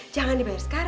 jangan dibayar sekarang